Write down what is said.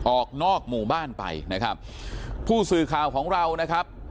ออกนอกหมู่บ้านไปนะครับผู้สื่อข่าวของเรานะครับ